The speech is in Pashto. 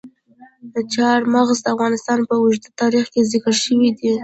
چار مغز د افغانستان په اوږده تاریخ کې ذکر شوي دي.